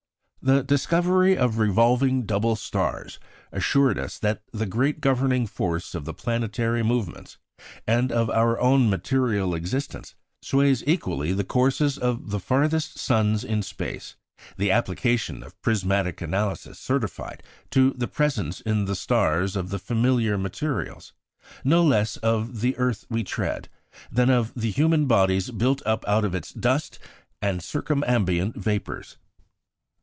The discovery of revolving double stars assured us that the great governing force of the planetary movements, and of our own material existence, sways equally the courses of the farthest suns in space; the application of prismatic analysis certified to the presence in the stars of the familiar materials, no less of the earth we tread, than of the human bodies built up out of its dust and circumambient vapours.